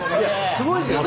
すごいんですよね。